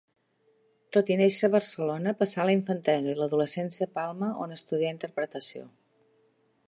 Tot i néixer a Barcelona, passà la infantesa i l'adolescència a Palma on estudià interpretació.